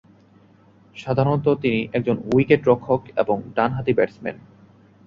সাধারণত তিনি একজন উইকেট-রক্ষক এবং ডানহাতি ব্যাটসম্যান।